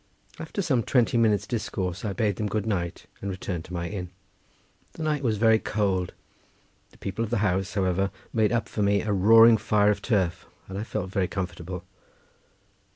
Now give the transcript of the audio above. After some twenty minutes' discourse I bade them good night and returned to my inn. The night was very cold; the people of the house, however, made up for me a roaring fire of turf, and I felt very comfortable.